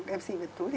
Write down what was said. em xin lời thú